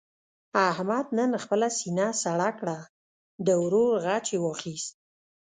احمد نن خپله سینه سړه کړه. د ورور غچ یې واخیست.